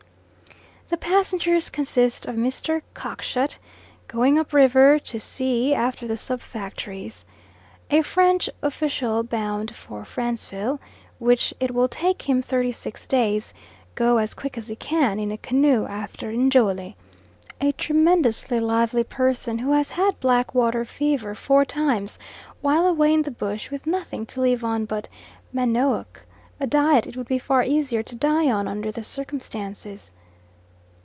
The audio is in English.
The passengers consist of Mr. Cockshut, going up river to see after the sub factories; a French official bound for Franceville, which it will take him thirty six days, go as quick as he can, in a canoe after Njole; a tremendously lively person who has had black water fever four times, while away in the bush with nothing to live on but manioc, a diet it would be far easier to die on under the circumstances.